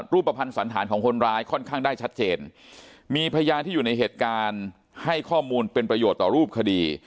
รูปภัณฑ์สันธารของคนร้ายค่อนข้างได้ชัดเจนมีพยานที่อยู่ในเหตุการณ์ให้ข้อมูลเป็นประโยชน์ต่อรูปคดี